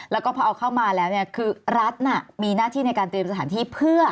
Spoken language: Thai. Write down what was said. แล้วก็พอเอาเข้ามาแล้วเนี่ยคือรัฐมีหน้าที่ในการเตรียมสถานที่เพื่อ